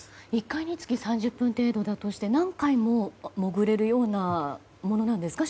１回につき３０分程度だとして何回も潜れるようなものなんですか？